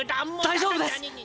大丈夫です！